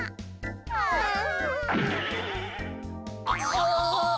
ああ。